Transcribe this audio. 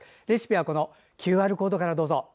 レシピはＱＲコードからどうぞ。